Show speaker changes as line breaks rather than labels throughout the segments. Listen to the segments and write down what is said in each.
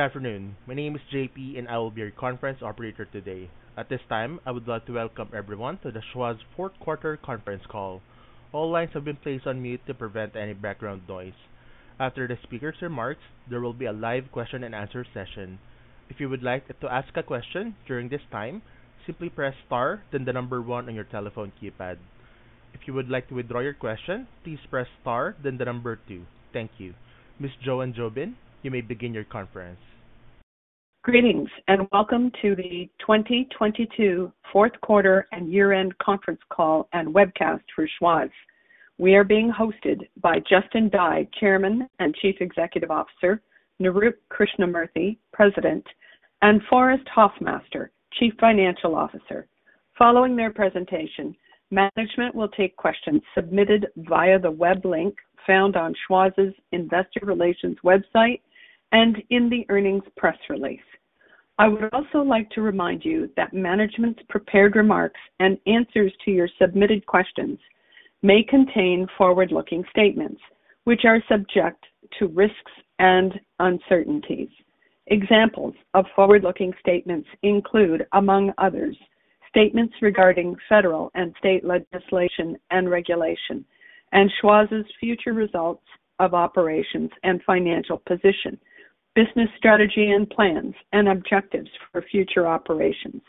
Good afternoon. My name is JP, and I will be your conference operator today. At this time, I would like to welcome everyone to the Schwazze fourth quarter conference call. All lines have been placed on mute to prevent any background noise. After the speaker's remarks, there will be a live question and answer session. If you would like to ask a question during this time, simply press Star, then one on your telephone keypad. If you would like to withdraw your question, please press Star, then two. Thank you. Ms. Joanne Jobin, you may begin your conference.
Greetings, and welcome to the 2022 fourth quarter and year-end conference call and webcast for Schwazze. We are being hosted by Justin Dye, Chairman and Chief Executive Officer, Nirup Krishnamurthy, President, and Forrest Hoffmaster, Chief Financial Officer. Following their presentation, management will take questions submitted via the web link found on Schwazze's investor relations website and in the earnings press release. I would also like to remind you that management's prepared remarks and answers to your submitted questions may contain forward-looking statements which are subject to risks and uncertainties. Examples of forward-looking statements include, among others, statements regarding federal and state legislation and regulation and Schwazze's future results of operations and financial position, business strategy and plans and objectives for future operations.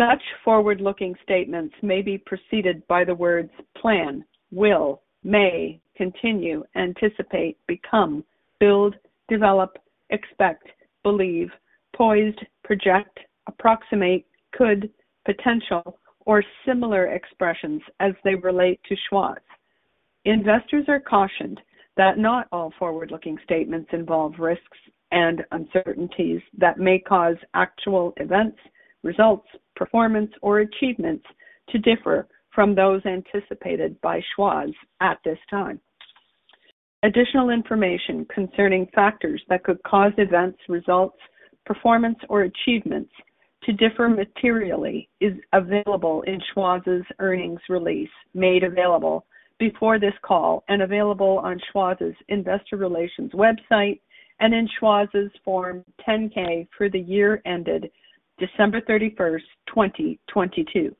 Such forward-looking statements may be preceded by the words plan, will, may, continue, anticipate, become, build, develop, expect, believe, poised, project, approximate, could, potential, or similar expressions as they relate to Schwazze. Investors are cautioned that not all forward-looking statements involve risks and uncertainties that may cause actual events, results, performance, or achievements to differ from those anticipated by Schwazze at this time. Additional information concerning factors that could cause events, results, performance, or achievements to differ materially is available in Schwazze's earnings release made available before this call and available on Schwazze's investor relations website and in Schwazze's Form 10-K for the year ended December 31st, 2022.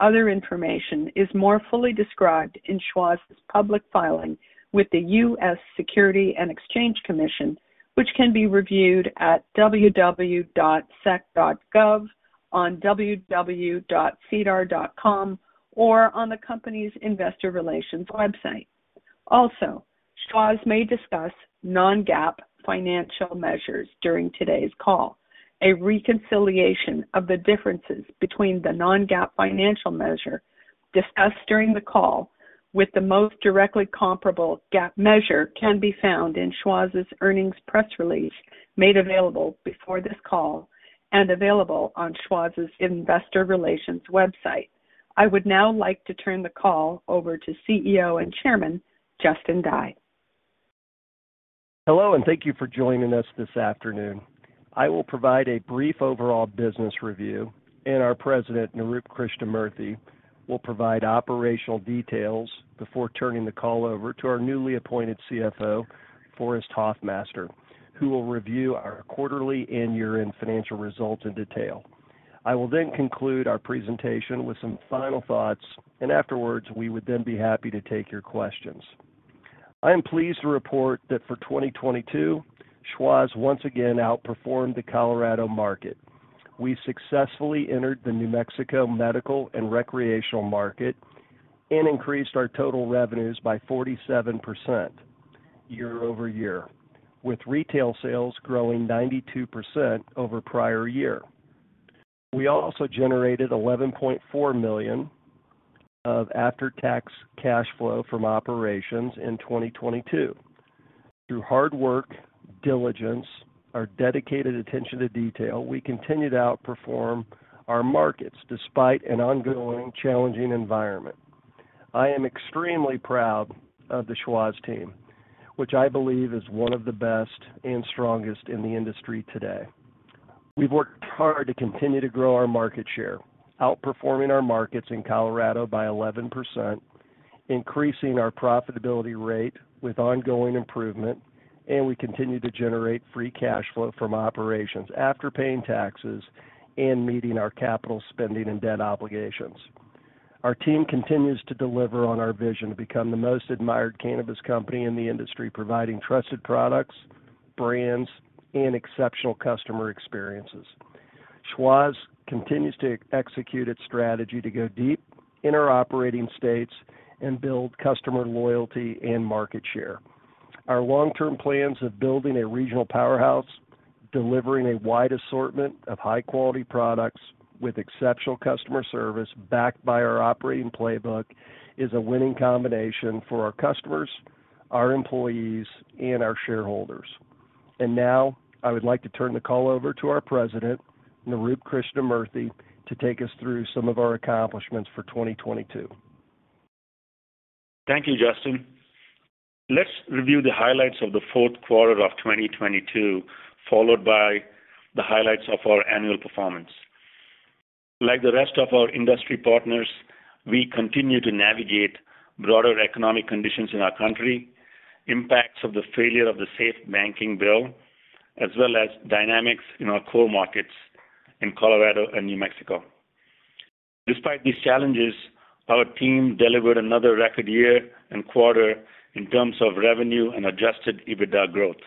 Other information is more fully described in Schwazze's public filing with the U.S. Securities and Exchange Commission, which can be reviewed at www.sec.gov, on www.sedar.com, or on the company's investor relations website. Schwazze may discuss non-GAAP financial measures during today's call. A reconciliation of the differences between the non-GAAP financial measure discussed during the call with the most directly comparable GAAP measure can be found in Schwazze's earnings press release made available before this call and available on Schwazze's investor relations website. I would now like to turn the call over to CEO and Chairman, Justin Dye.
Hello, thank you for joining us this afternoon. I will provide a brief overall business review, our President, Nirup Krishnamurthy, will provide operational details before turning the call over to our newly appointed CFO, Forrest Hoffmaster, who will review our quarterly and year-end financial results in detail. I will then conclude our presentation with some final thoughts, afterwards, we would then be happy to take your questions. I am pleased to report that for 2022, Schwazze once again outperformed the Colorado market. We successfully entered the New Mexico medical and recreational market increased our total revenues by 47% year-over-year, with retail sales growing 92% over prior year. We also generated $11.4 million of after-tax cash flow from operations in 2022. Through hard work, diligence, our dedicated attention to detail, we continue to outperform our markets despite an ongoing challenging environment. I am extremely proud of the Schwazze team, which I believe is one of the best and strongest in the industry today. We've worked hard to continue to grow our market share, outperforming our markets in Colorado by 11%, increasing our profitability rate with ongoing improvement. We continue to generate free cash flow from operations after paying taxes and meeting our capital spending and debt obligations. Our team continues to deliver on our vision to become the most admired cannabis company in the industry, providing trusted products, brands, and exceptional customer experiences. Schwazze continues to execute its strategy to go deep in our operating states and build customer loyalty and market share. Our long-term plans of building a regional powerhouse, delivering a wide assortment of high-quality products with exceptional customer service backed by our operating playbook, is a winning combination for our customers, our employees, and our shareholders. Now I would like to turn the call over to our President, Nirup Krishnamurthy, to take us through some of our accomplishments for 2022.
Thank you, Justin. Let's review the highlights of the fourth quarter of 2022, followed by the highlights of our annual performance. Like the rest of our industry partners, we continue to navigate broader economic conditions in our country, impacts of the failure of the SAFE Banking Act, as well as dynamics in our core markets in Colorado and New Mexico. Despite these challenges, our team delivered another record year and quarter in terms of revenue and adjusted EBITDA growth.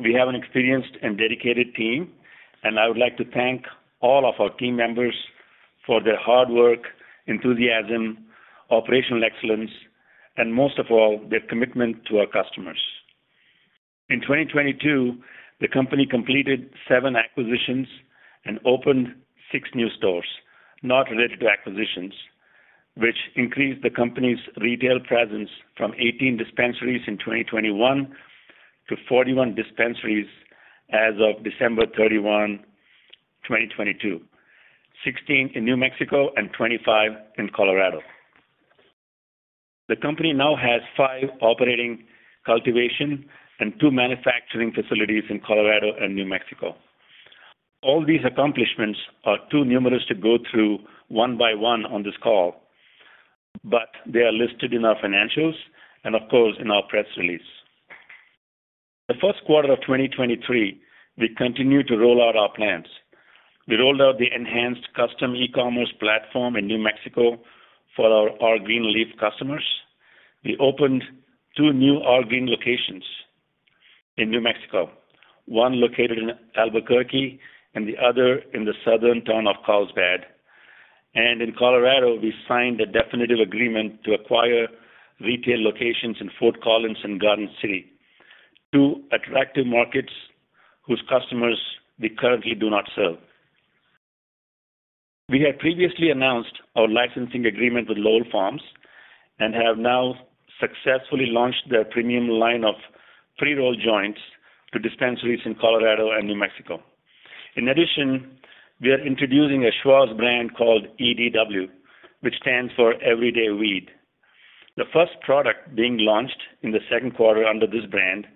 We have an experienced and dedicated team, and I would like to thank all of our team members for their hard work, enthusiasm, operational excellence, and most of all, their commitment to our customers. In 2022, the company completed seven acquisitions and opened six new stores, not related to acquisitions, which increased the company's retail presence from 18 dispensaries in 2021 to 41 dispensaries as of December 31, 2022. 16 in New Mexico and 25 in Colorado. The company now has five operating cultivation and two manufacturing facilities in Colorado and New Mexico. All these accomplishments are too numerous to go through one by one on this call, but they are listed in our financials and of course, in our press release. The first quarter of 2023, we continued to roll out our plans. We rolled out the enhanced custom e-commerce platform in New Mexico for our All Green Leaf customers. We opened two new All Green locations in New Mexico, one located in Albuquerque and the other in the southern town of Carlsbad. In Colorado, we signed a definitive agreement to acquire retail locations in Fort Collins and Garden City, two attractive markets whose customers we currently do not serve. We had previously announced our licensing agreement with Lowell Farms and have now successfully launched their premium line of pre-rolled joints to dispensaries in Colorado and New Mexico. In addition, we are introducing a Schwazze brand called EDW, which stands for Everyday Weed. The first product being launched in the second quarter under this brand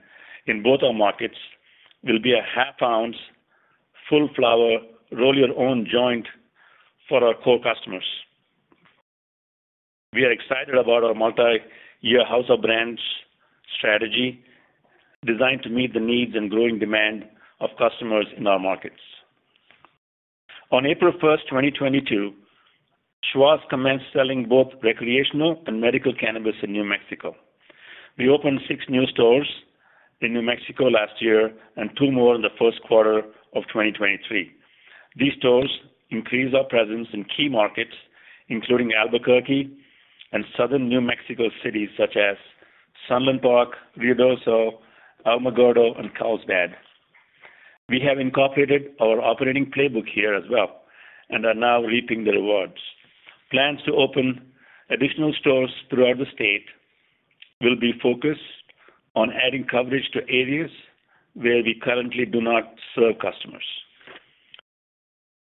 in both our markets will be 1/2-ounce, full flower, roll-your-own joint for our core customers. We are excited about our multiyear house of brands strategy designed to meet the needs and growing demand of customers in our markets. On April 1st, 2022, Schwazze commenced selling both recreational and medical cannabis in New Mexico. We opened six new stores in New Mexico last year and two more in the first quarter of 2023. These stores increase our presence in key markets, including Albuquerque and Southern New Mexico cities such as Sunland Park, Ruidoso, Alamogordo, and Carlsbad. We have incorporated our operating playbook here as well and are now reaping the rewards. Plans to open additional stores throughout the state will be focused on adding coverage to areas where we currently do not serve customers.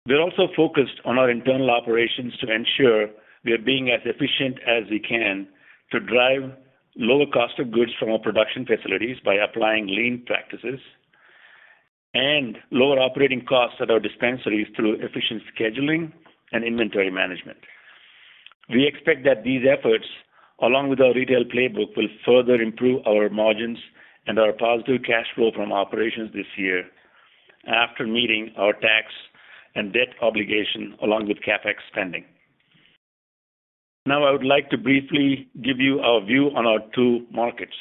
We're also focused on our internal operations to ensure we are being as efficient as we can to drive lower cost of goods from our production facilities by applying lean practices and lower operating costs at our dispensaries through efficient scheduling and inventory management. We expect that these efforts, along with our retail playbook, will further improve our margins and our positive cash flow from operations this year after meeting our tax and debt obligation along with CapEx spending. I would like to briefly give you our view on our two markets.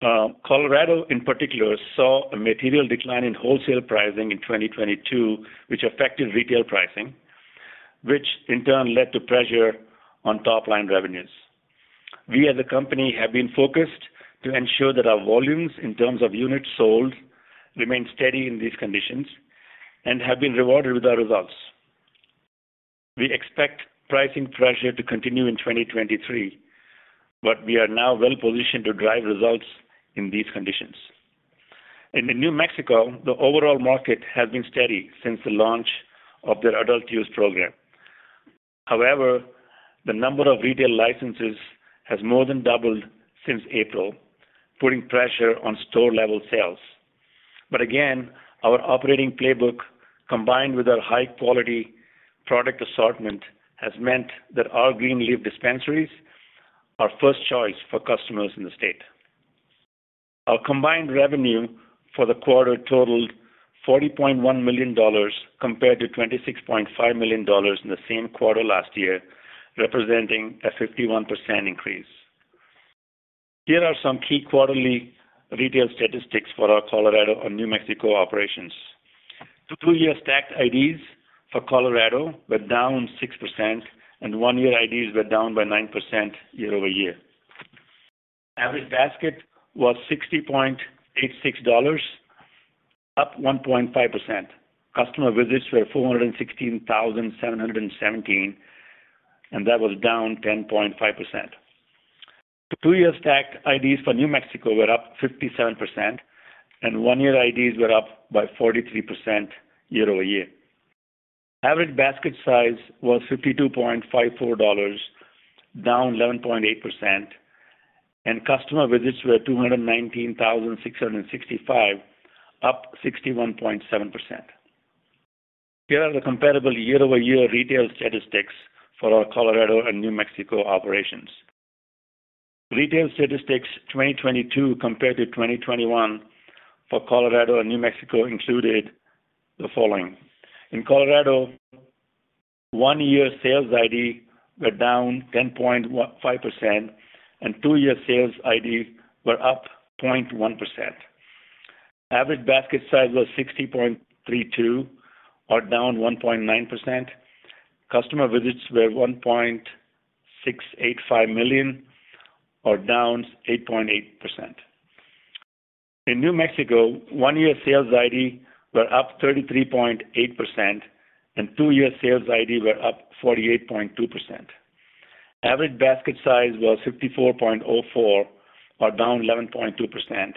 Colorado, in particular, saw a material decline in wholesale pricing in 2022, which affected retail pricing, which in turn led to pressure on top-line revenues. We as a company have been focused to ensure that our volumes in terms of units sold remain steady in these conditions and have been rewarded with our results. We expect pricing pressure to continue in 2023, we are now well-positioned to drive results in these conditions. In the New Mexico, the overall market has been steady since the launch of their adult use program. The number of retail licenses has more than doubled since April, putting pressure on store-level sales. Again, our operating playbook combined with our high-quality product assortment has meant that our Green Leaf dispensaries are first choice for customers in the state. Our combined revenue for the quarter totaled $40.1 million compared to $26.5 million in the same quarter last year, representing a 51% increase. Here are some key quarterly retail statistics for our Colorado and New Mexico operations. The two-year Stacked IDs for Colorado were down 6%, and one-year IDs were down by 9% year-over-year. Average basket was $60.86, up 1.5%. Customer visits were 416,717, that was down 10.5%. The two-year stacked IDs for New Mexico were up 57%. One-year IDs were up by 43% year-over-year. Average basket size was $52.54, down 11.8%. Customer visits were 219,665, up 61.7%. Here are the comparable year-over-year retail statistics for our Colorado and New Mexico operations. Retail statistics 2022 compared to 2021 for Colorado and New Mexico included the following. In Colorado, one-year sales IDs were down 10.5%. Two-year sales IDs were up 0.1%. Average basket size was $60.32, or down 1.9%. Customer visits were 1.685 million, or down 8.8%. In New Mexico, one-year sales ID were up 33.8%, and two-year sales ID were up 48.2%. Average basket size was $64.04, or down 11.2%,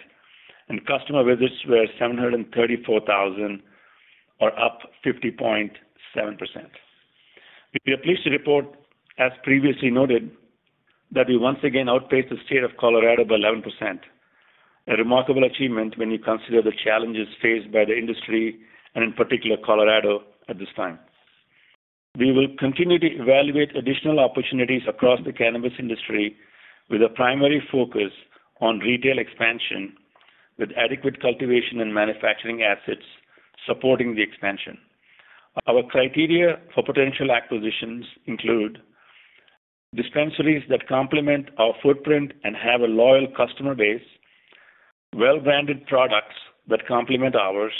and customer visits were 734,000, or up 50.7%. We are pleased to report, as previously noted, that we once again outpaced the state of Colorado by 11%, a remarkable achievement when you consider the challenges faced by the industry, and in particular, Colorado at this time. We will continue to evaluate additional opportunities across the cannabis industry with a primary focus on retail expansion with adequate cultivation and manufacturing assets supporting the expansion. Our criteria for potential acquisitions include dispensaries that complement our footprint and have a loyal customer base, well-branded products that complement ours,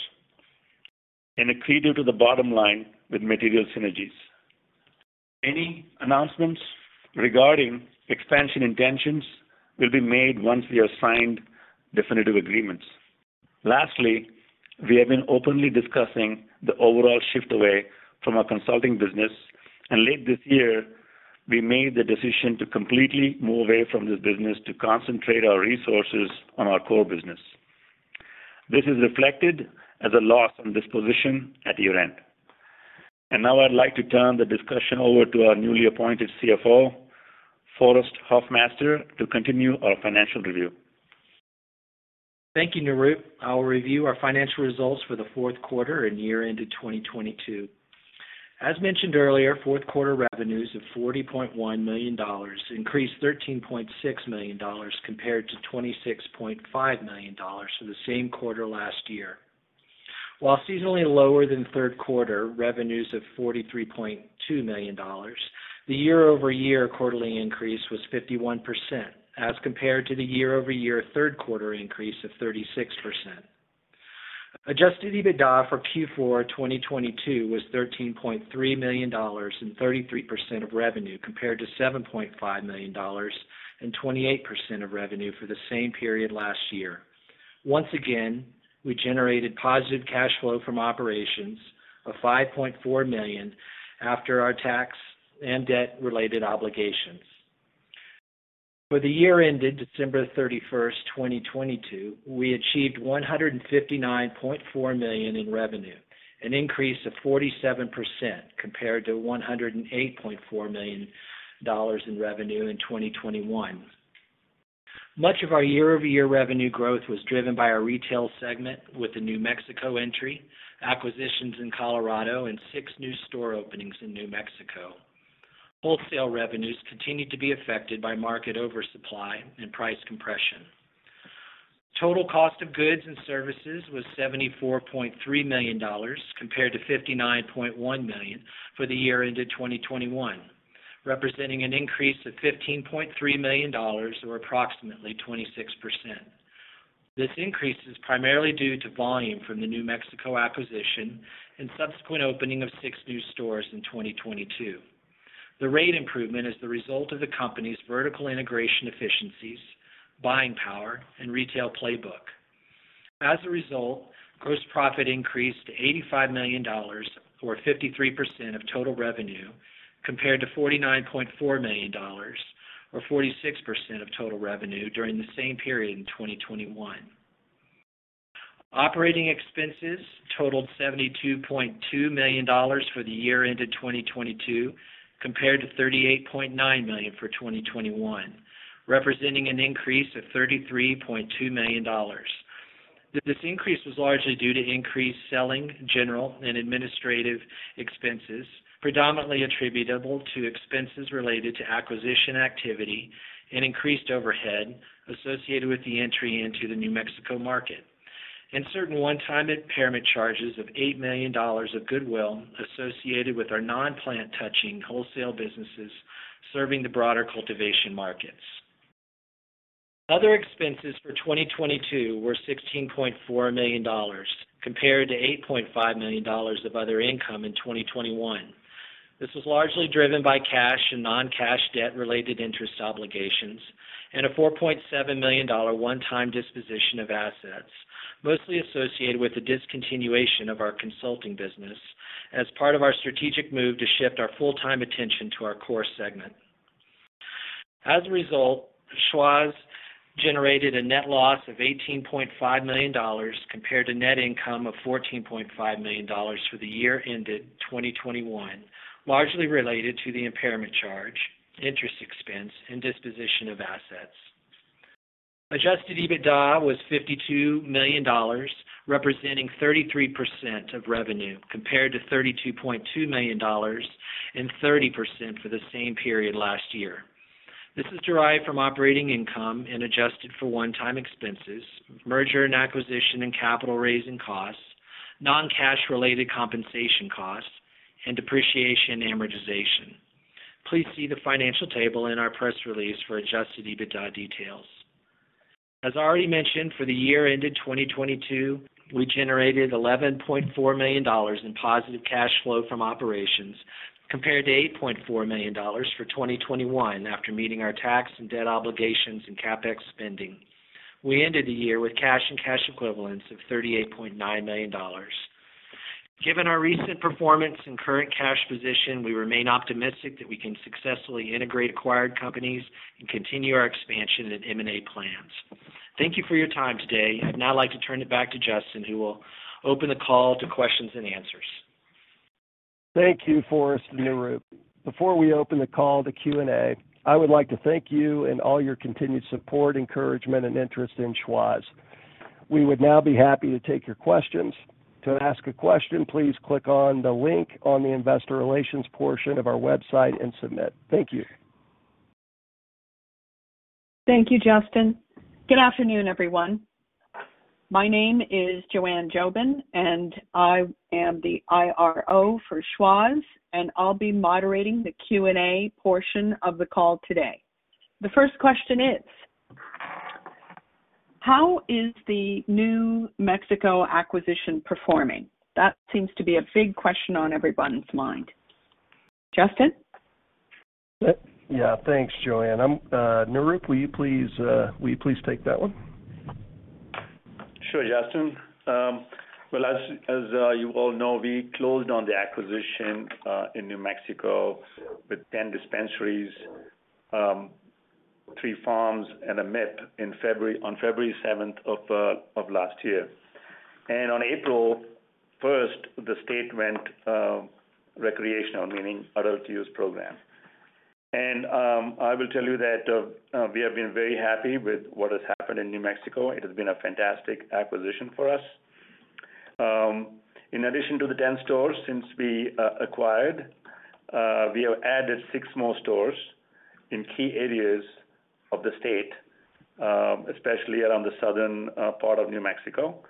and accretive to the bottom line with material synergies. Any announcements regarding expansion intentions will be made once we have signed definitive agreements. Lastly, we have been openly discussing the overall shift away from our consulting business, and late this year, we made the decision to completely move away from this business to concentrate our resources on our core business. This is reflected as a loss on disposition at year-end. Now I'd like to turn the discussion over to our newly appointed CFO, Forrest Hoffmaster, to continue our financial review.
Thank you, Nirup. I will review our financial results for the fourth quarter and year ended 2022. As mentioned earlier, fourth quarter revenues of $40.1 million increased $13.6 million compared to $26.5 million for the same quarter last year. While seasonally lower than third quarter revenues of $43.2 million, the year-over-year quarterly increase was 51% as compared to the year-over-year third quarter increase of 36%. Adjusted EBITDA for Q4 2022 was $13.3 million and 33% of revenue compared to $7.5 million and 28% of revenue for the same period last year. Once again, we generated positive cash flow from operations of $5.4 million after our tax and debt-related obligations. For the year ended December 31st, 2022, we achieved $159.4 million in revenue, an increase of 47% compared to $108.4 million in revenue in 2021. Much of our year-over-year revenue growth was driven by our retail segment with the New Mexico entry, acquisitions in Colorado, and six new store openings in New Mexico. Wholesale revenues continued to be affected by market oversupply and price compression. Total cost of goods and services was $74.3 million compared to $59.1 million for the year ended 2021, representing an increase of $15.3 million or approximately 26%. This increase is primarily due to volume from the New Mexico acquisition and subsequent opening of six new stores in 2022. The rate improvement is the result of the company's vertical integration efficiencies, buying power, and retail playbook. As a result, gross profit increased to $85 million or 53% of total revenue compared to $49.4 million or 46% of total revenue during the same period in 2021. Operating expenses totaled $72.2 million for the year ended 2022 compared to $38.9 million for 2021, representing an increase of $33.2 million. This increase was largely due to increased Selling, General, and Administrative Expenses, predominantly attributable to expenses related to acquisition activity and increased overhead associated with the entry into the New Mexico market. Certain one-time impairment charges of $8 million of goodwill associated with our non-plant-touching wholesale businesses serving the broader cultivation markets. Other expenses for 2022 were $16.4 million compared to $8.5 million of other income in 2021. This was largely driven by cash and non-cash debt-related interest obligations and a $4.7 million one-time disposition of assets, mostly associated with the discontinuation of our consulting business as part of our strategic move to shift our full-time attention to our core segment. As a result, Schwazze's generated a net loss of $18.5 million compared to net income of $14.5 million for the year ended 2021, largely related to the impairment charge, interest expense and disposition of assets. Adjusted EBITDA was $52 million, representing 33% of revenue, compared to $32.2 million and 30% for the same period last year. This is derived from operating income and adjusted for one-time expenses, merger and acquisition, and capital raising costs, non-cash related compensation costs, and depreciation amortization. Please see the financial table in our press release for adjusted EBITDA details. As already mentioned, for the year ended 2022, we generated $11.4 million in positive cash flow from operations compared to $8.4 million for 2021 after meeting our tax and debt obligations and CapEx spending. We ended the year with cash and cash equivalents of $38.9 million. Given our recent performance and current cash position, we remain optimistic that we can successfully integrate acquired companies and continue our expansion and M&A plans. Thank you for your time today. I'd now like to turn it back to Justin, who will open the call to questions and answers.
Thank you, Forrest and Nirup. Before we open the call to Q&A, I would like to thank you and all your continued support, encouragement, and interest in Schwazze. We would now be happy to take your questions. To ask a question, please click on the link on the investor relations portion of our website and submit. Thank you.
Thank you, Justin. Good afternoon, everyone. My name is Joanne Jobin, and I am the IRO for Schwazze, and I'll be moderating the Q&A portion of the call today. The first question is, how is the New Mexico acquisition performing? That seems to be a big question on everyone's mind. Justin.
Yeah. Thanks, Joanne. Nirup, will you please take that one?
Sure, Justin. Well, as you all know, we closed on the acquisition in New Mexico with 10 dispensaries, three farms and a MIP in February, on February 7th of last year. On April 1st, the state went recreational, meaning adult use program. I will tell you that we have been very happy with what has happened in New Mexico. It has been a fantastic acquisition for us. In addition to the 10 stores since we acquired, we have added six more stores in key areas of the state, especially around the southern part of New Mexico.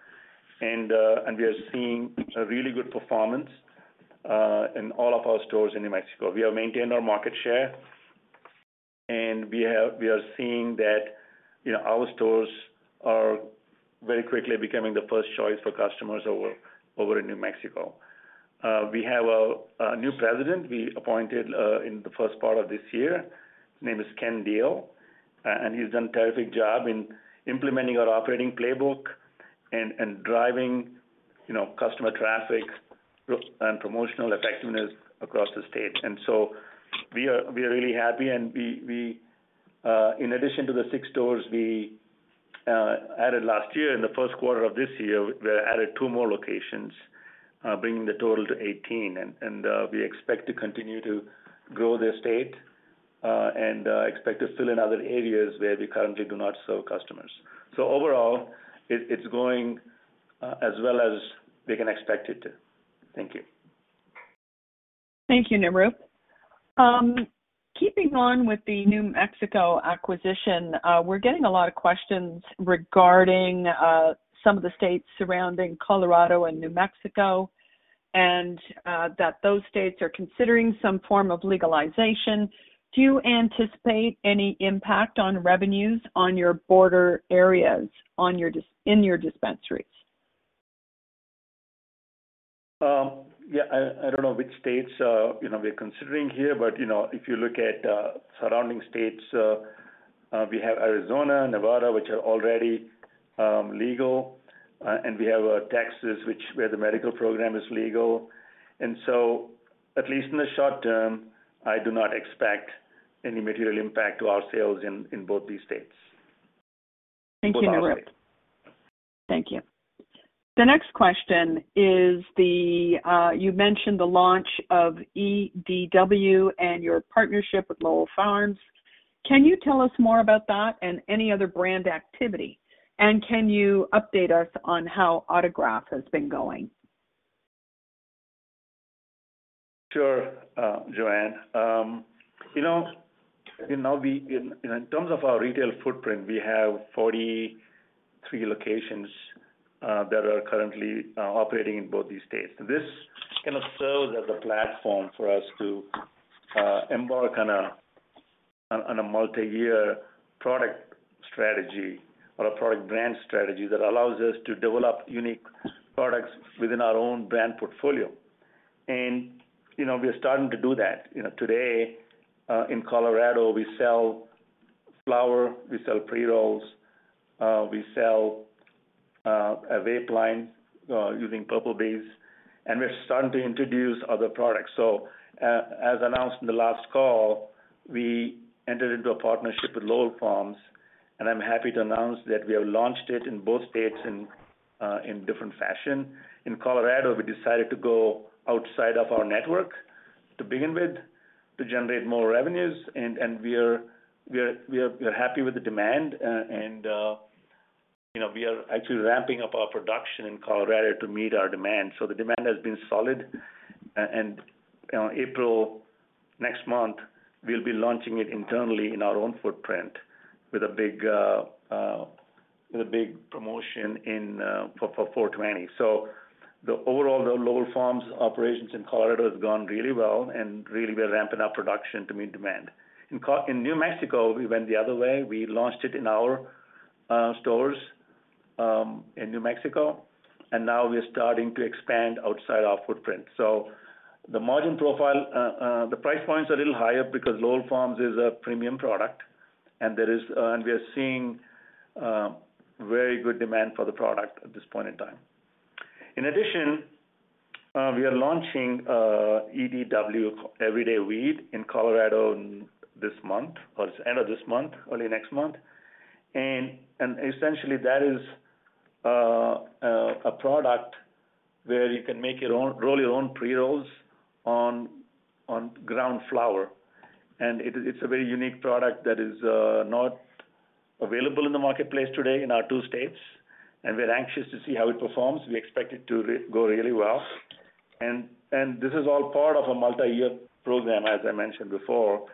We are seeing a really good performance in all of our stores in New Mexico. We have maintained our market share. We are seeing that, you know, our stores are very quickly becoming the first choice for customers over in New Mexico. We have a new president we appointed in the first part of this year. His name is Ken Diel, and he's done a terrific job in implementing our operating playbook and driving, you know, customer traffic, and promotional effectiveness across the state. We are really happy. We, in addition to the six stores we added last year, in the first quarter of this year, we added two more locations, bringing the total to 18. We expect to continue to grow the state, and expect to fill in other areas where we currently do not serve customers. Overall, it's going as well as we can expect it to. Thank you.
Thank you, Nirup. Keeping on with the New Mexico acquisition, we're getting a lot of questions regarding some of the states surrounding Colorado and New Mexico, and that those states are considering some form of legalization. Do you anticipate any impact on revenues on your border areas in your dispensaries?
Yeah, I don't know which states, you know, we are considering here, but, you know, if you look at surrounding states, we have Arizona, Nevada, which are already legal. We have Texas, which where the medical program is legal. At least in the short term, I do not expect any material impact to our sales in both these states.
Thank you, Nirup.
Both are ready.
Thank you. The next question is the, you mentioned the launch of EDW and your partnership with Lowell Farms. Can you tell us more about that and any other brand activity? Can you update us on how Autograph has been going?
Sure, Joanne. You know, in terms of our retail footprint, we have 43 locations that are currently operating in both these states. This kind of serves as a platform for us to embark on a multi-year product strategy or a product brand strategy that allows us to develop unique products within our own brand portfolio. You know, we are starting to do that. You know, today, in Colorado, we sell flower, we sell pre-rolls, we sell a vape line, using Purplebee's, and we're starting to introduce other products. As announced in the last call, we entered into a partnership with Lowell Farms, and I'm happy to announce that we have launched it in both states in different fashion. In Colorado, we decided to go outside of our network to begin with to generate more revenues, and we are happy with the demand. You know, we are actually ramping up our production in Colorado to meet our demand. The demand has been solid. And, you know, April, next month, we'll be launching it internally in our own footprint with a big promotion for 4/20. The overall, the Lowell Farms operations in Colorado has gone really well, and really we are ramping up production to meet demand. In New Mexico, we went the other way. We launched it in our stores in New Mexico, and now we are starting to expand outside our footprint. The margin profile, the price point's a little higher because Lowell Farms is a premium product, and we are seeing very good demand for the product at this point in time. In addition, we are launching EDW, Everyday Weed, in Colorado this month, or it's end of this month, early next month. Essentially that is a product where you can make your own, roll your own pre-rolls on ground flower. It's a very unique product that is not available in the marketplace today in our two states, and we're anxious to see how it performs. We expect it to re-go really well. This is all part of a multi-year program, as I mentioned before.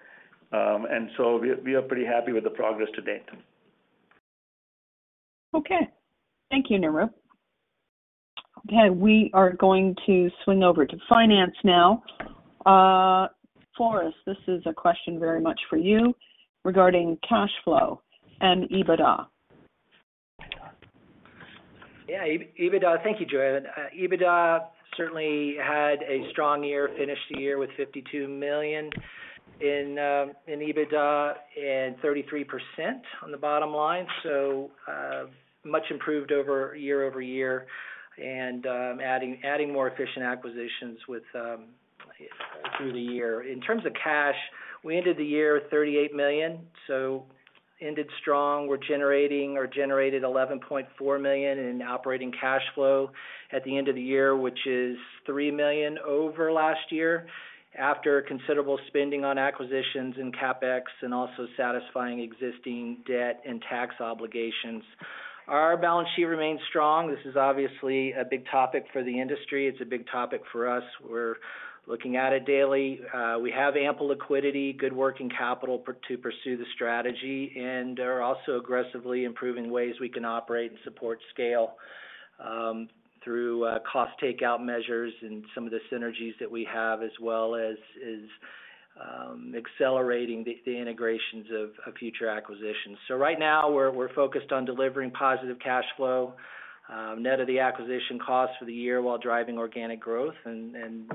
We are pretty happy with the progress to date.
Okay. Thank you, Nirup. Okay, we are going to swing over to finance now. Forrest, this is a question very much for you regarding cash flow and EBITDA.
EBITDA, thank you, Joanne. EBITDA certainly had a strong year, finished the year with $52 million in EBITDA and 33% on the bottom line, so much improved over year-over-year, and adding more efficient acquisitions with through the year. In terms of cash, we ended the year at $38 million, so ended strong. We're generating or generated $11.4 million in operating cash flow at the end of the year, which is $3 million over last year, after considerable spending on acquisitions and CapEx and also satisfying existing debt and tax obligations. Our balance sheet remains strong. This is obviously a big topic for the industry. It's a big topic for us. We're looking at it daily. We have ample liquidity, good working capital to pursue the strategy, and are also aggressively improving ways we can operate and support scale through cost takeout measures and some of the synergies that we have, as well as accelerating the integrations of future acquisitions. Right now we're focused on delivering positive cash flow, net of the acquisition costs for the year while driving organic growth and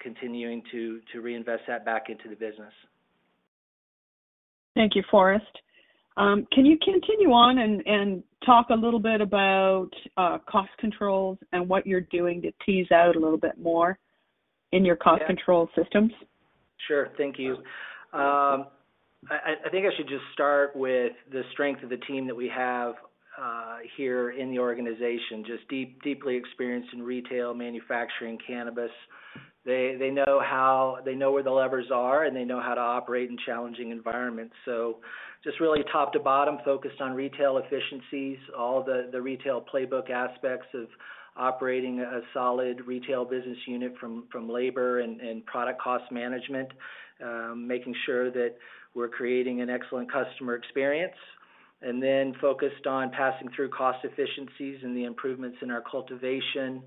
continuing to reinvest that back into the business.
Thank you, Forrest. Can you continue on and talk a little bit about cost controls and what you're doing to tease out a little bit more.
Yeah.
cost control systems?
Sure. Thank you. I think I should just start with the strength of the team that we have here in the organization, just deeply experienced in retail, manufacturing cannabis. They know where the levers are, and they know how to operate in challenging environments. Just really top to bottom focused on retail efficiencies, all the retail playbook aspects of operating a solid retail business unit from labor and product cost management, making sure that we're creating an excellent customer experience. Focused on passing through cost efficiencies and the improvements in our cultivation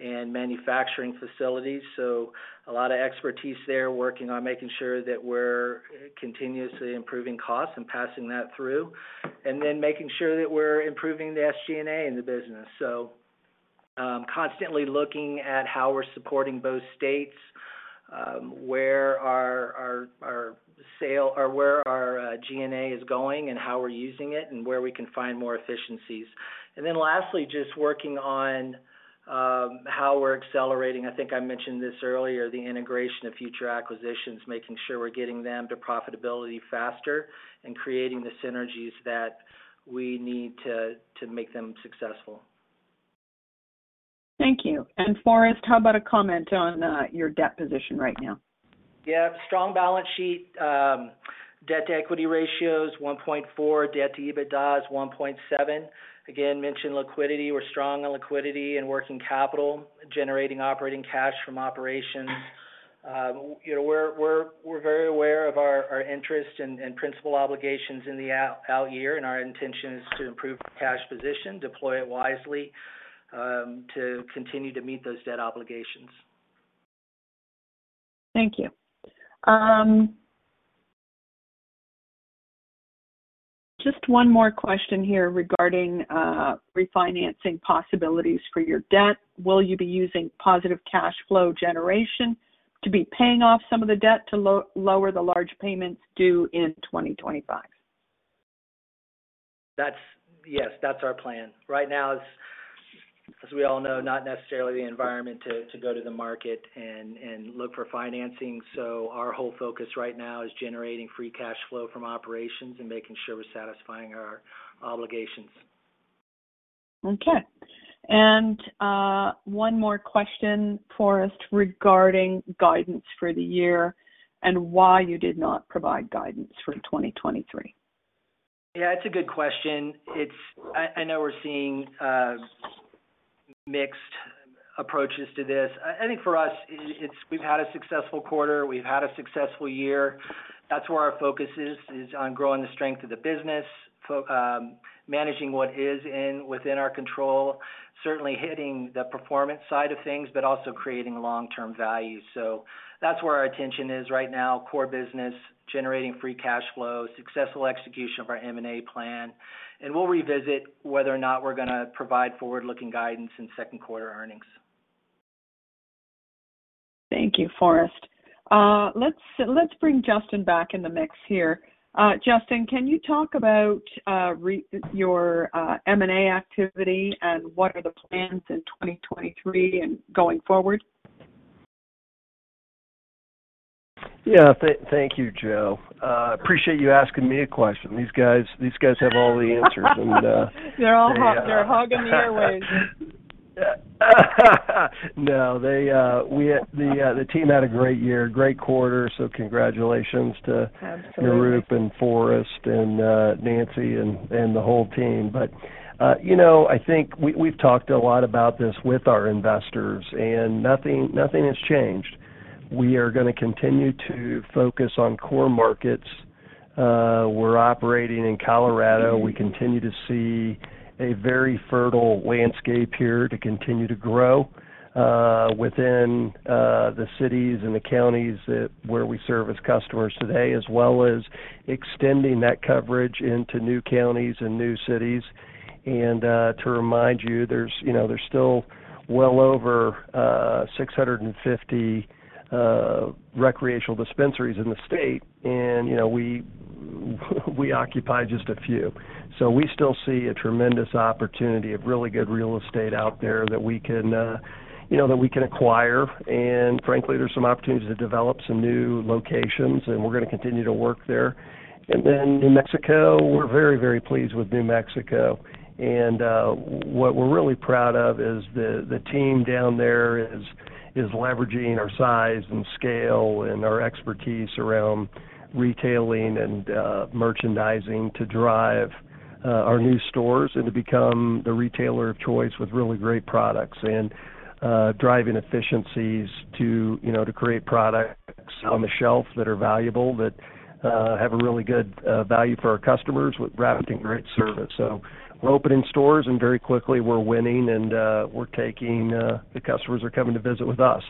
and manufacturing facilities. A lot of expertise there working on making sure that we're continuously improving costs and passing that through. Making sure that we're improving the SG&A in the business. Constantly looking at how we're supporting both states, where our G&A is going and how we're using it and where we can find more efficiencies. Lastly, just working on how we're accelerating, I think I mentioned this earlier, the integration of future acquisitions, making sure we're getting them to profitability faster and creating the synergies that we need to make them successful.
Thank you. Forrest, how about a comment on your debt position right now?
Yeah. Strong balance sheet. Debt-to-equity ratio is 1.4. Debt-to-EBITDA is 1.7. Again, mentioned liquidity. We're strong on liquidity and working capital, generating operating cash from operations. You know, we're very aware of our interest and Principal obligations in the out year, and our intention is to improve cash position, deploy it wisely, to continue to meet those debt obligations.
Thank you. Just one more question here regarding refinancing possibilities for your debt. Will you be using positive cash flow generation to be paying off some of the debt to lower the large payments due in 2025?
Yes, that's our plan. Right now is, as we all know, not necessarily the environment to go to the market and look for financing. Our whole focus right now is generating free cash flow from operations and making sure we're satisfying our obligations.
Okay. One more question, Forrest, regarding guidance for the year and why you did not provide guidance for 2023.
Yeah, it's a good question. I know we're seeing mixed approaches to this. I think for us we've had a successful quarter, we've had a successful year. That's where our focus is on growing the strength of the business, managing what is within our control, certainly hitting the performance side of things, but also creating long-term value. That's where our attention is right now, core business, generating free cash flow, successful execution of our M&A plan. We'll revisit whether or not we're gonna provide forward-looking guidance in second quarter earnings.
Thank you, Forrest. Let's bring Justin back in the mix here. Justin, can you talk about your M&A activity and what are the plans in 2023 and going forward?
Yeah. Thank you, Jo. Appreciate you asking me a question. These guys have all the answers.
They're all hog.
Yeah.
They're hogging the airwaves.
No, they, we, the team had a great year, great quarter, so congratulations.
Absolutely
Nirup and Forrest and Nancy and the whole team. You know, I think we've talked a lot about this with our investors and nothing has changed. We are gonna continue to focus on core markets. We're operating in Colorado. We continue to see a very fertile landscape here to continue to grow within the cities and the counties where we service customers today, as well as extending that coverage into new counties and new cities. To remind you, there's still well over 650 recreational dispensaries in the state and we occupy just a few. We still see a tremendous opportunity of really good real estate out there that we can, you know, that we can acquire and frankly, there's some opportunities to develop some new locations, and we're gonna continue to work there. New Mexico, we're very, very pleased with New Mexico. What we're really proud of is the team down there is leveraging our size and scale and our expertise around retailing and merchandising to drive our new stores and to become the retailer of choice with really great products and driving efficiencies to, you know, to create products on the shelf that are valuable, that have a really good value for our customers with rapid and great service. We're opening stores, very quickly we're winning, we're taking, the customers are coming to visit with us,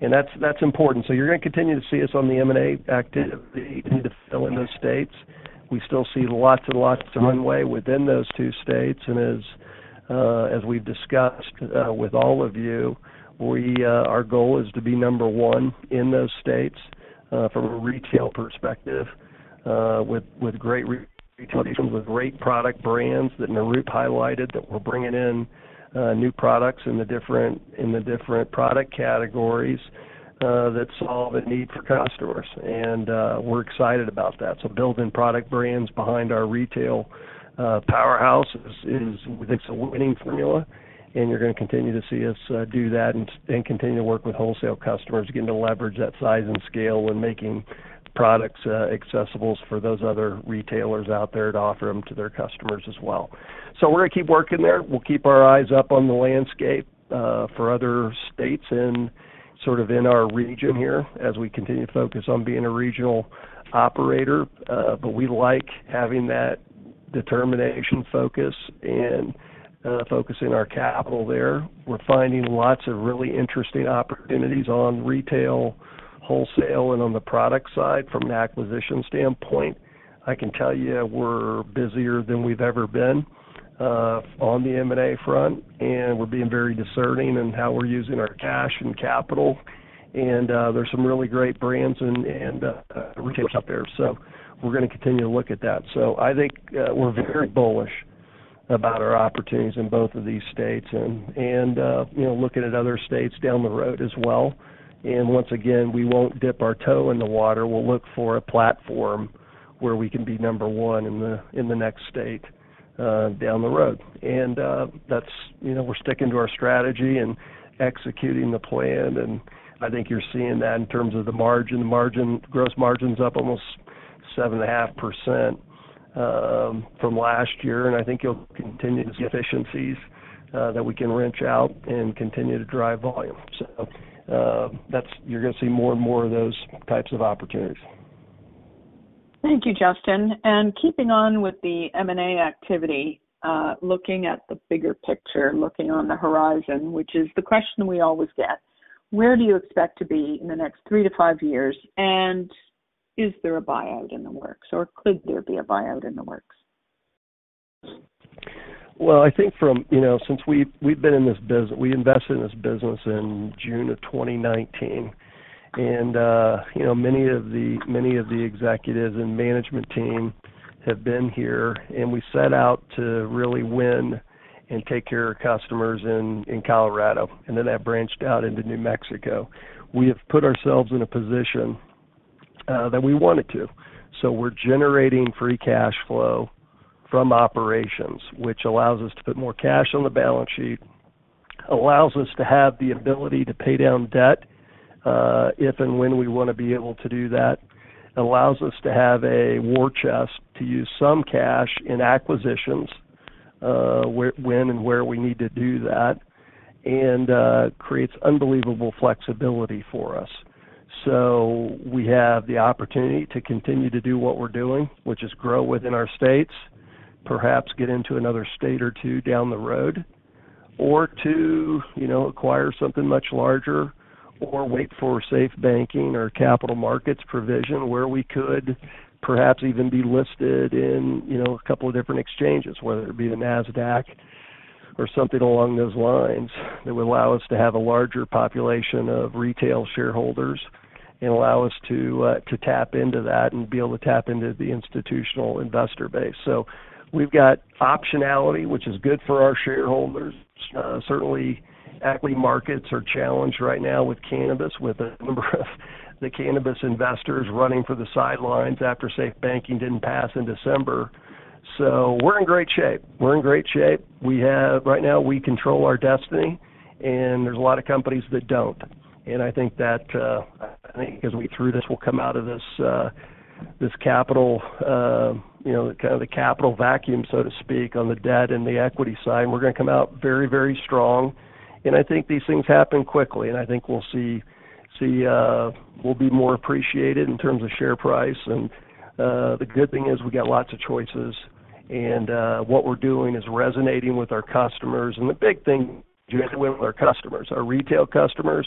and that's important. You're gonna continue to see us on the M&A activity to fill in those states. We still see lots and lots of runway within those two states, as we've discussed with all of you, our goal is to be number 1 in those states from a retail perspective, with great retails, with great product brands that Nirup highlighted, that we're bringing in new products in the different product categories that solve a need for customers. We're excited about that. Building product brands behind our retail powerhouse is it's a winning formula, and you're gonna continue to see us do that and continue to work with wholesale customers, getting to leverage that size and scale when making products accessible for those other retailers out there to offer them to their customers as well. We're gonna keep working there. We'll keep our eyes up on the landscape for other states in sort of in our region here as we continue to focus on being a regional operator. We like having that determination focus and focusing our capital there. We're finding lots of really interesting opportunities on retail, wholesale, and on the product side from an acquisition standpoint. I can tell you we're busier than we've ever been on the M&A front, and we're being very discerning in how we're using our cash and capital. There's some really great brands and retailers out there, so we're gonna continue to look at that. I think we're very bullish about our opportunities in both of these states and, you know, looking at other states down the road as well. Once again, we won't dip our toe in the water. We'll look for a platform where we can be number one in the next state down the road. That's, you know, we're sticking to our strategy and executing the plan, and I think you're seeing that in terms of the margin. gross margin's up almost 7.5% from last year, and I think you'll continue to see efficiencies that we can wrench out and continue to drive volume. You're gonna see more and more of those types of opportunities.
Thank you, Justin. Keeping on with the M&A activity, looking at the bigger picture, looking on the horizon, which is the question we always get, where do you expect to be in the next three to five years, and is there a buyout in the works, or could there be a buyout in the works?
Well, I think from, you know, since we invested in this business in June of 2019, you know, many of the executives and management team have been here, and we set out to really win and take care of customers in Colorado. That branched out into New Mexico. We have put ourselves in a position that we wanted to. We're generating free cash flow from operations, which allows us to put more cash on the balance sheet, allows us to have the ability to pay down debt if and when we wanna be able to do that. Allows us to have a war chest to use some cash in acquisitions when and where we need to do that, creates unbelievable flexibility for us. We have the opportunity to continue to do what we're doing, which is grow within our states, perhaps get into another state or down the road or to, you know, acquire something much larger or wait for SAFE Banking or capital markets provision, where we could perhaps even be listed in, you know, a couple of different exchanges, whether it be the Nasdaq or something along those lines, that would allow us to have a larger population of retail shareholders and allow us to tap into that and be able to tap into the institutional investor base. We've got optionality, which is good for our shareholders. Certainly equity markets are challenged right now with cannabis, with a number of the cannabis investors running for the sidelines after SAFE Banking didn't pass in December. We're in great shape. Right now, we control our destiny, there's a lot of companies that don't. I think that, I think as we through this, we'll come out of this capital, you know, kind of the capital vacuum, so to speak, on the debt and the equity side. We're gonna come out very, very strong. I think these things happen quickly. I think we'll see. We'll be more appreciated in terms of share price. The good thing is we got lots of choices and what we're doing is resonating with our customers. The big thing, you have to win with our customers, our retail customers,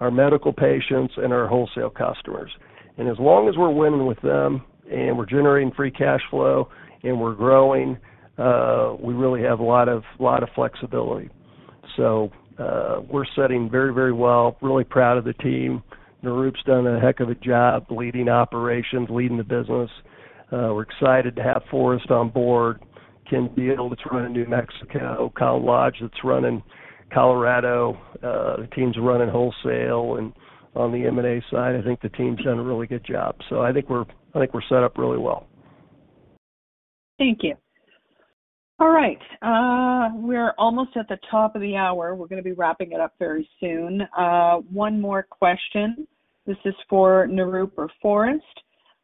our medical patients, and our wholesale customers. As long as we're winning with them and we're generating free cash flow and we're growing, we really have a lot of flexibility. We're setting very well. Really proud of the team. Nirup's done a heck of a job leading operations, leading the business. We're excited to have Forrest on board. Ken Diel that's running New Mexico. Collin Lodge that's running Colorado. The teams are running wholesale. On the M&A side, I think the team's done a really good job. I think we're set up really well.
Thank you. All right. We're almost at the top of the hour. We're gonna be wrapping it up very soon. One more question. This is for Nirup or Forrest.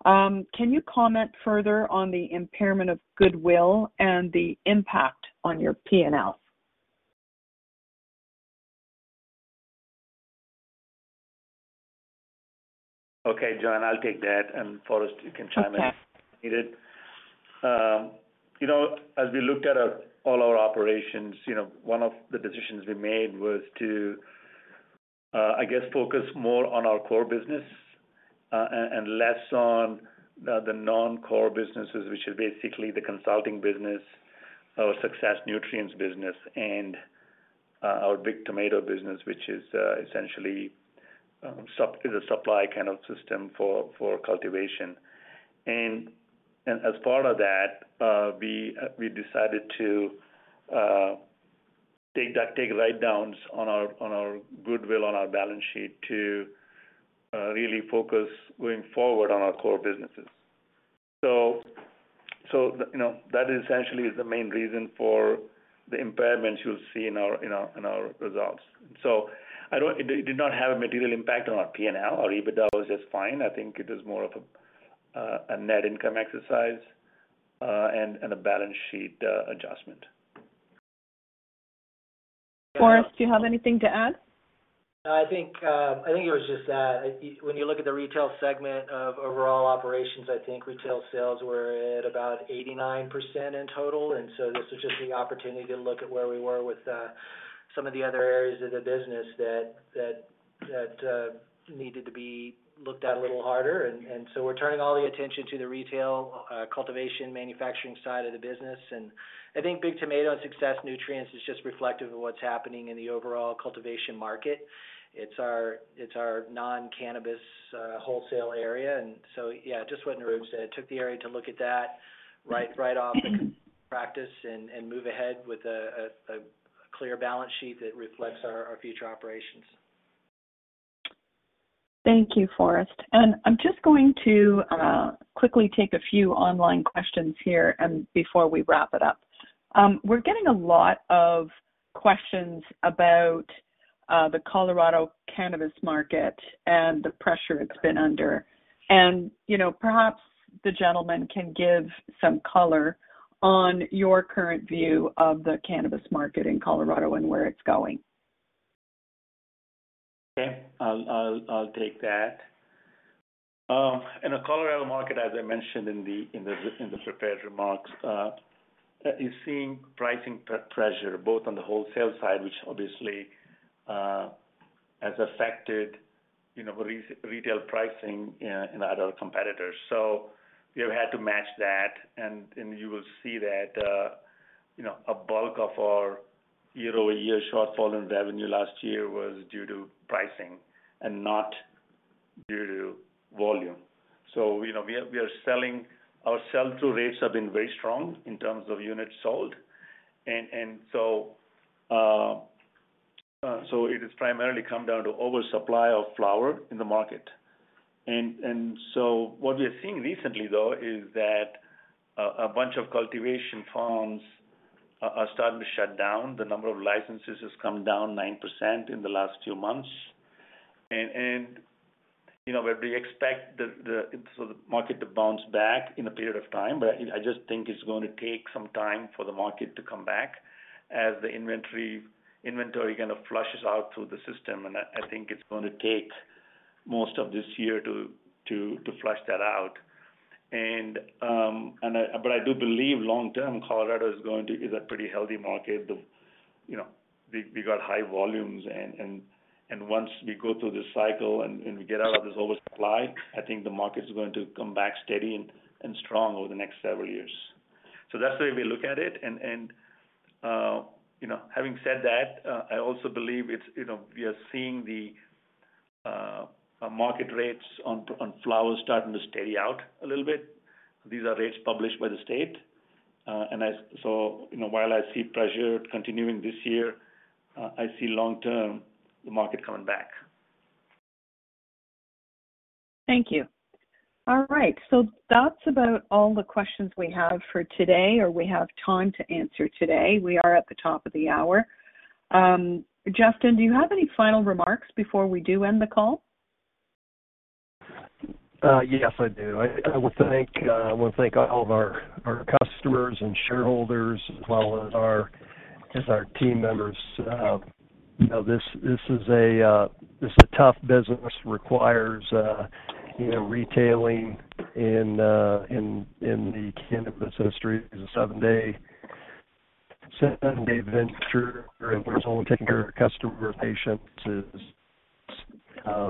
Can you comment further on the impairment of goodwill and the impact on your P&L?
Okay, Joanne, I'll take that, and Forrest, you can chime in.
Okay
if needed. You know, as we looked at our, all our operations, you know, one of the decisions we made was to, I guess, focus more on our core business, and less on the non-core businesses, which is basically the consulting business, our Success Nutrients business, and our Big Tomato business, which is, essentially, is a supply kind of system for cultivation. As part of that, we decided to take write-downs on our goodwill, on our balance sheet to really focus going forward on our core businesses. You know, that essentially is the main reason for the impairments you'll see in our, in our results. I don't. It did not have a material impact on our P&L. Our EBITDA was just fine. I think it was more of a net income exercise, and a balance sheet adjustment.
Forrest, do you have anything to add?
I think it was just that when you look at the retail segment of overall operations, I think retail sales were at about 89% in total. This was just the opportunity to look at where we were with some of the other areas of the business that needed to be looked at a little harder. We're turning all the attention to the retail, cultivation, manufacturing side of the business. I think The Big Tomato and Success Nutrients is just reflective of what's happening in the overall cultivation market. It's our non-cannabis wholesale area. Yeah, just what Nirup said, took the area to look at that right off the practice and move ahead with a clear balance sheet that reflects our future operations.
Thank you, Forrest. I'm just going to quickly take a few online questions here and before we wrap it up. We're getting a lot of questions about the Colorado cannabis market and the pressure it's been under. You know, perhaps the gentleman can give some color on your current view of the cannabis market in Colorado and where it's going.
Okay. I'll take that. In the Colorado market, as I mentioned in the prepared remarks, is seeing pricing pre-pressure both on the wholesale side, which obviously has affected, you know, retail pricing in other competitors. We have had to match that. You will see that, you know, a bulk of our year-over-year shortfall in revenue last year was due to pricing and not due to volume. You know, our sell-through rates have been very strong in terms of units sold. It has primarily come down to oversupply of flower in the market. What we are seeing recently though, is that a bunch of cultivation farms are starting to shut down. The number of licenses has come down 9% in the last few months. You know, we expect the, so the market to bounce back in a period of time. I just think it's going to take some time for the market to come back as the inventory kind of flushes out through the system. I think it's gonna take most of this year to flush that out. I do believe long term; Colorado is a pretty healthy market. You know, we got high volumes and, once we go through this cycle and we get out of this oversupply, I think the market is going to come back steady and strong over the next several years. That's the way we look at it. You know, having said that, I also believe it's, you know, we are seeing the market rates on flowers starting to steady out a little bit. These are rates published by the state. You know, while I see pressure continuing this year, I see long term the market coming back.
Thank you. All right. That's about all the questions we have for today or we have time to answer today. We are at the top of the hour. Justin, do you have any final remarks before we do end the call?
Yes, I do. I want to thank, I wanna thank all of our customers and shareholders as well as our team members. You know, this is a tough business. It requires, you know, retailing in the cannabis industry is a seven-day venture where everyone's home taking care of customer, patients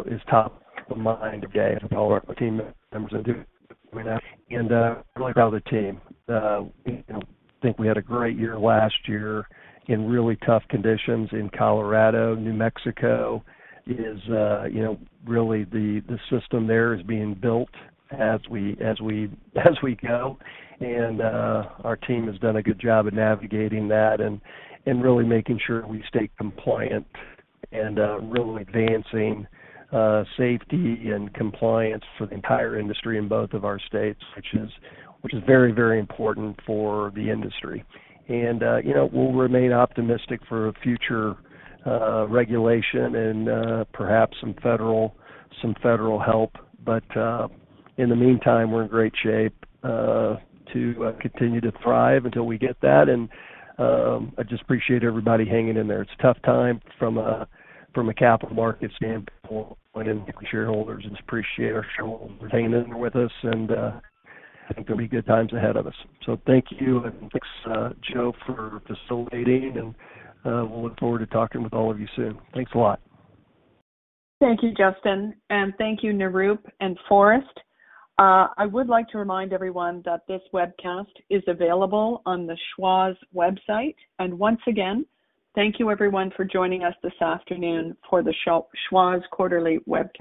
is top of mind today as all our team members are doing. Really proud of the team. You know, think we had a great year last year in really tough conditions in Colorado. New Mexico is, you know, really the system there is being built as we go. Our team has done a good job at navigating that and really making sure we stay compliant and really advancing safety and compliance for the entire industry in both of our states, which is very, very important for the industry. You know, we'll remain optimistic for future regulation and perhaps some federal help. In the meantime, we're in great shape to continue to thrive until we get that. I just appreciate everybody hanging in there. It's a tough time from a capital market standpoint and shareholders just appreciate our shareholders for hanging in there with us and I think there'll be good times ahead of us. Thank you, and thanks Joe, for facilitating and we'll look forward to talking with all of you soon. Thanks a lot.
Thank you, Justin, and thank you, Nirup and Forrest. I would like to remind everyone that this webcast is available on the Schwazze website. Once again, thank you everyone for joining us this afternoon for the Schwazze quarterly webcast.